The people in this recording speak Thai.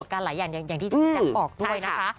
การไหลอย่างที่จะบอกด้วยนะคะ